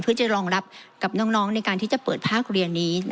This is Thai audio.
เพื่อจะรองรับกับน้องในการที่จะเปิดภาคเรียนนี้